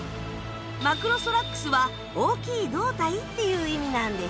マクロソラックスは大きい胴体っていう意味なんです。